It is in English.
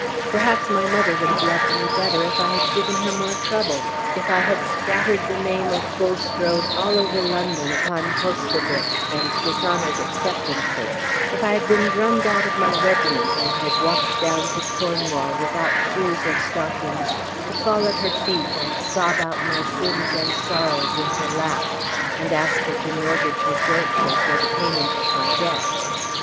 Perhaps my mother would have loved me better if I had given her more trouble; if I had scattered the name of Bulstrode all over London upon post obits and dishonored acceptances; if I had been drummed out of my regiment, and had walked down to Cornwall without shoes or stockings, to fall at her feet, and sob out my sins and sorrows in her lap, and ask her to mortgage her jointure for the payment of my debts.